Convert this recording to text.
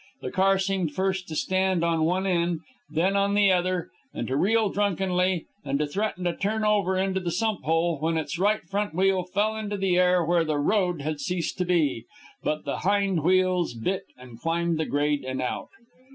The car seemed first to stand on one end, then on the other, and to reel drunkenly and to threaten to turn over into the sump hole when its right front wheel fell into the air where the road had ceased to be. But the hind wheels bit and climbed the grade and out.